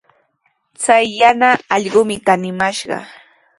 Chay yana allqumi kaniskamashqa.